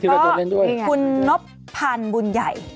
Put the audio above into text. ก็คุณนบพันธ์บุญใหญ่